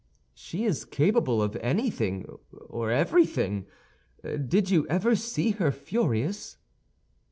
"She is capable of anything or everything. Did you ever see her furious?"